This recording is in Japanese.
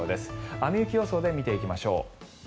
雨・雪予想で見ていきましょう。